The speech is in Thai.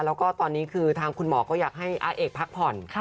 แล้วก็ตอนนี้คือทางคุณหมอก็อยากให้อาเอกพักผ่อน